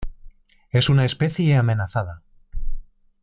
Es una especie amenazada.